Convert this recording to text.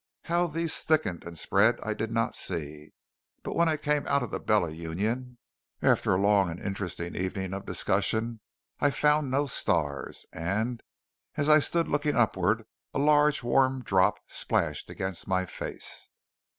How these thickened and spread I did not see; but when I came out of the Bella Union, after a long and interesting evening of discussion, I found no stars; and, as I stood looking upward, a large warm drop splashed against my face.